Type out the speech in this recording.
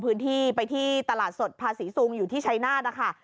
มีตลาดสดภาษีซูงอยู่ที่ชายน่านะคะ